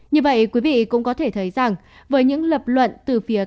như vậy quý vị cũng có thể thấy rằng với những lập luận từ phía